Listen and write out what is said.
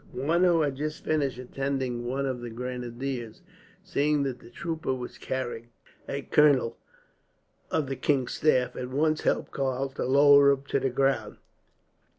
One who had just finished attending one of the grenadiers, seeing that the trooper was carrying a colonel of the king's staff, at once helped Karl to lower him to the ground.